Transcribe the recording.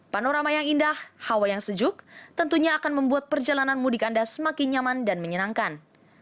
panorama yang indah hawa yang sejuk tentunya akan membuat perjalanan mudik anda semakin nyaman dan menyenangkan